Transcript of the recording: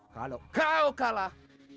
kalau kau kalah